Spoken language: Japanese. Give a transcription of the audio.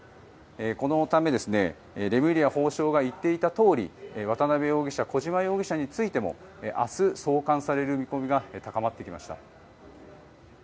このためレムリヤ法相が言っていたとおり渡邉容疑者小島容疑者についても明日、送還される見込みが高まってきました。